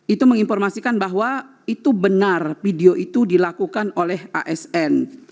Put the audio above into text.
itu menginformasikan bahwa itu benar video itu dilakukan oleh asn